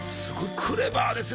クレバーですね。